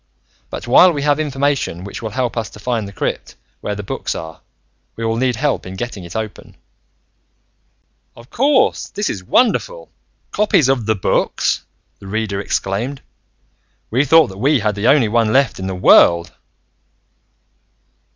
But while we have information which will help us to find the crypt where the books are, we will need help in getting it open." "Of course! This is wonderful. Copies of The Books!" the Reader exclaimed. "We thought that we had the only one left in the world!"